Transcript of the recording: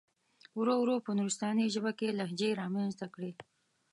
ورو ورو په نورستاني ژبه کې لهجې را منځته کړي.